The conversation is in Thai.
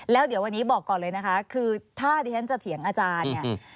แล้วเดี๋ยววันนี้บอกก่อนเลยนะคะถ้าอมูลิเนยัติจะเถียงอาจารย์